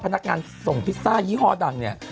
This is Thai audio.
พนักงานส่งพิซซ่ายี่ห้อดังเนี่ย